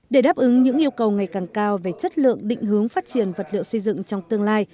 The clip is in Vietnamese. để đáp ứng những yêu cầu ngày càng cao về chất lượng định hướng phát triển vật liệu xây dựng trong tương lai